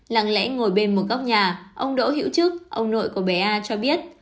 lặng lẽ ngồi bên một góc nhà ông đỗ hiễu trức ông nội của bé a cho biết